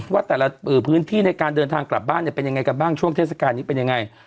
ว่าแต่ละพื้นที่ในการเดินทางกลับบ้านเนี่ยเป็นยังไงกันบ้างช่วงเทศกาลนี้เป็นยังไง